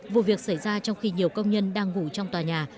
vụ việc xảy ra trong khi nhiều công nhân đang ngủ trong tòa nhà